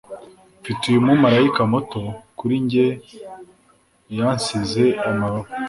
mfite uyu mumarayika muto. kuri njye yansize amababa